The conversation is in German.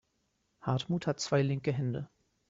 Hartmut hat zwei linke Hände.